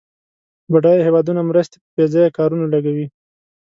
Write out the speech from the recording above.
بډایه هېوادونه مرستې په بیځایه کارونو لګوي.